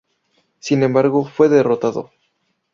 Sin embargo, fue derrotado.